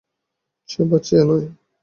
সে বাঁচিয়া নাই।